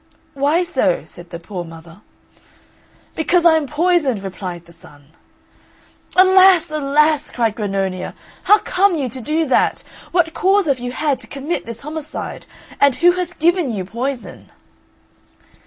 "Why so?" said the poor mother. "Because I am poisoned," replied the son. "Alas! alas!" cried Grannonia, "how came you to do that? What cause have you had to commit this homicide? And who has given you poison?"